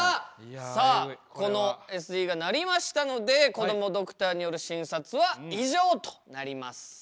さあこのＳＥが鳴りましたのでこどもドクターによる診察は以上となります。